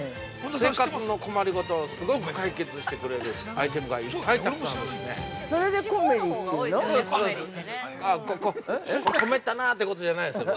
◆生活の困り事をすごく解決してくれるアイテムがいっぱいたくさんあるんですね。